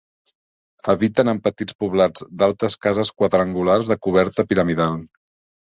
Habiten en petits poblats d'altes cases quadrangulars de coberta piramidal.